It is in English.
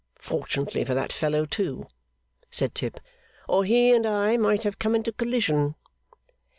Fortunately for that fellow too,' said Tip, 'or he and I might have come into collision.